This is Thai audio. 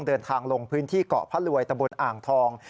เดินทางลงพื้นที่เกาะพระรวยตะบนอ่างทอง